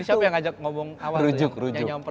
jadi siapa yang ngajak ngomong awal